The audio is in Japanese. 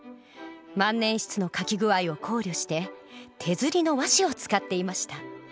万年筆の書き具合を考慮して手刷りの和紙を使っていました。